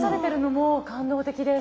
もう感動的です。